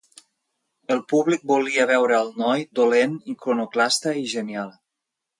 El públic volia veure al noi dolent, iconoclasta i genial.